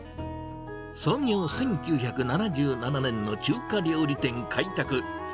創業１９７７年の中華料理店、開拓。